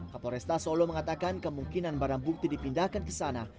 kapolresta solo mengatakan kemungkinan barang bukti dipindahkan ke sana